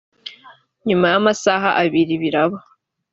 nyuma y’amasaha abiri biraba